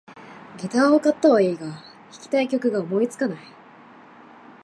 ギターを買ったはいいが、弾きたい曲が思いつかない